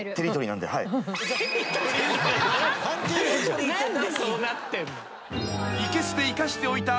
何でそうなってんの？